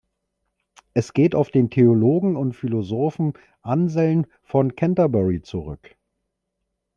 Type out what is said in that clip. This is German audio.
Es geht auf den Theologen und Philosophen Anselm von Canterbury zurück.